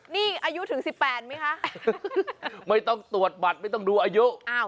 นี่อายุถึงสิบแปดไหมคะไม่ต้องตรวจบัตรไม่ต้องดูอายุ